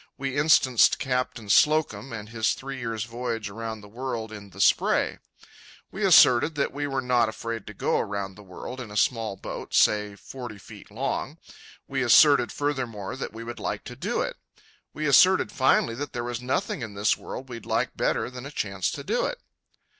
We instanced Captain Slocum and his three years' voyage around the world in the Spray. We asserted that we were not afraid to go around the world in a small boat, say forty feet long. We asserted furthermore that we would like to do it. We asserted finally that there was nothing in this world we'd like better than a chance to do it.